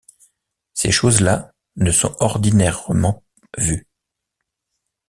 Ces choses-là ne sont ordinairement vues